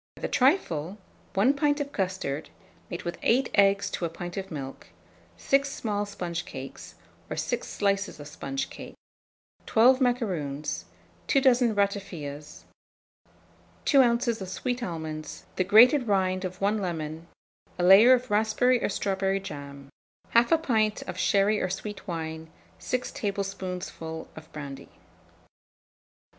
For the trifle, 1 pint of custard, made with 8 eggs to a pint of milk; 6 small sponge cakes, or 6 slices of sponge cake; 12 macaroons, 2 dozen ratafias, 2 oz. of sweet almonds, the grated rind of 1 lemon, a layer of raspberry or strawberry jam, 1/2 pint of sherry or sweet wine, 6 tablespoonfuls of brandy.